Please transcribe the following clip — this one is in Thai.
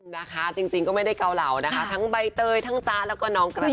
นะคะจริงก็ไม่ได้เกาเหล่านะคะทั้งใบเตยทั้งจ๊ะแล้วก็น้องกระท